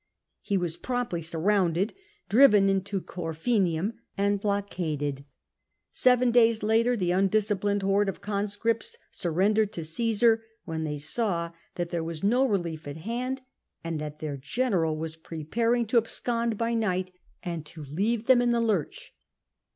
He was promptly surrounded, driven into Corfinium and blockaded. Seven days later the undisciplined horde of conscripts surrendered to Cmsar, when they saw that there was no relief at hand, and that their general was preparing to abscond by night and to leave them in the lurch.